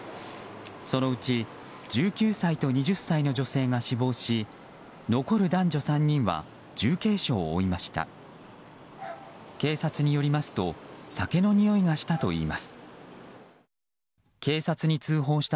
そのうち１９歳と２０歳の女性が死亡し残る男女３人は重軽傷を負いました。